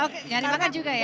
oke jadi makan juga ya